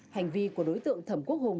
hành vi của đối tượng thẩm quốc hùng